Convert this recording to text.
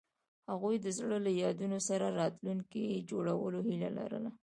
هغوی د زړه له یادونو سره راتلونکی جوړولو هیله لرله.